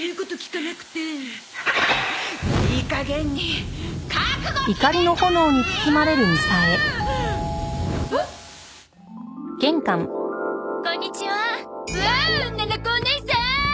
ななこおねいさん！